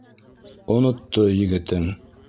Онотто егетең.